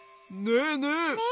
ねえねえ。